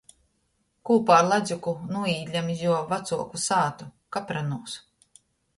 Kūpā ar Ladzuku nūīdļam iz juo vacuoku sātu Kapranūs.